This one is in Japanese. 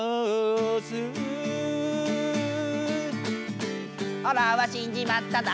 「おらは死んじまっただ」